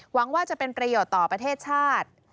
หวังว่าจะเป็นประโยชน์ต่อประเทศชาติ